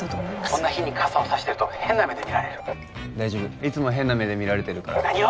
こんな日に傘を差してると変な目で見られる大丈夫いつも変な目で見られてる何を！